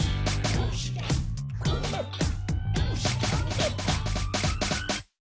どうしてこうなった？」